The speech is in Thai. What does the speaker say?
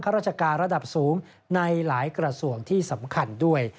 ราชการระดับสูงในหลายกระทรวงที่สำคัญด้วย